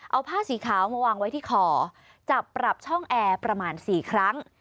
เอาผ้าสีขาวมาวางไว้ที่คอจับปรับช่องแอร์ประมาณ๔ครั้ง